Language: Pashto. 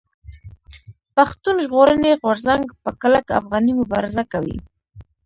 پښتون ژغورني غورځنګ په کلک افغاني مبارزه کوي.